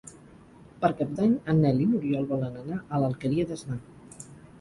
Per Cap d'Any en Nel i n'Oriol volen anar a l'Alqueria d'Asnar.